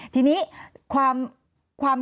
ทีนี้ความ